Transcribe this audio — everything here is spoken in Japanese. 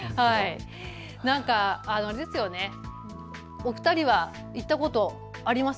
お二人は行ったことあります？